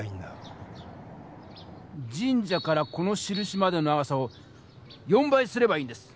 神社からこのしるしまでの長さを４倍すればいいんです。